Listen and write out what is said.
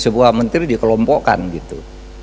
sebuah menteri dikelompokkan gitu